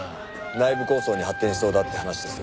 内部抗争に発展しそうだって話ですよ。